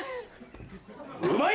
うまい！